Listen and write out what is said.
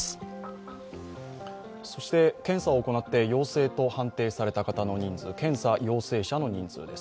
検査を行って陽性と判定された方の人数検査陽性者の人数です。